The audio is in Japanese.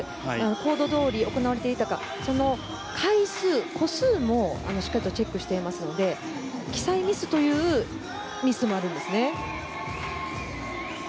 申告どおり行われていたかその回数、個数もしっかりとチェックしてますので記載ミスというミスもあるんですね。